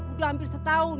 udah hampir setahun